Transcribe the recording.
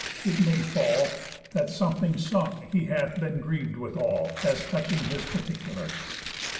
It may fall, That something sung he hath been grieved with all, As touching his particular.